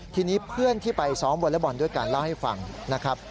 ทีนี้เพื่อนที่ไปซ้อมวอเล็กบอลด้วยการเล่าให้ฟังนะครับ